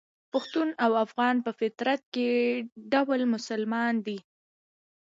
پښتون او افغان په فطري ډول مسلمان دي.